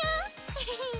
エヘヘッ。